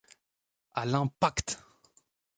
À l'Impact!